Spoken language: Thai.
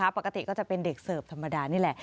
ปกติก็จะเป็นเด็กเสิร์ฟธรรมดานี่แหละ